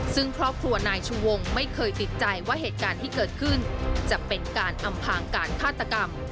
ซึ่งครอบครัวนายชูวงไม่เคยติดใจว่าเหตุการณ์ที่เกิดขึ้นจะเป็นการอำพางการฆาตกรรม